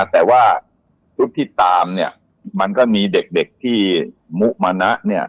แต่ว่าชุดที่ตามเนี่ยมันก็มีเด็กที่มุมานะ